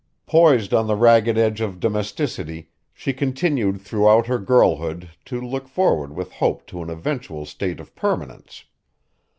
Poised on the ragged edge of domesticity she continued throughout her girlhood to look forward with hope to an eventual state of permanence.